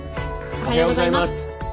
おはようございます。